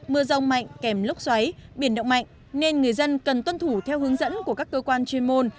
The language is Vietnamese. mưa rông mạnh kèm lốc xoáy biển động mạnh nên người dân cần tuân thủ theo hướng dẫn của các cơ quan chuyên môn